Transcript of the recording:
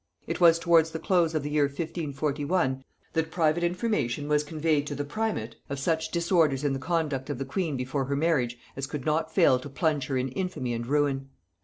It was towards the close of the year 1541 that private information was conveyed to the primate of such disorders in the conduct of the queen before her marriage as could not fail to plunge her in infamy and ruin.